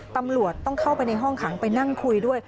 ตำรวจต้องเข้าไปในห้องขังไปนั่งคุยด้วย